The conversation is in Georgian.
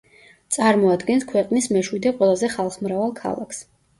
წარმოადგენს ქვეყნის მეშვიდე ყველაზე ხალხმრავალ ქალაქს.